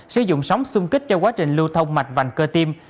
sử dụng sóng sung kích cho quá trình lưu thông mạch vành cơ tim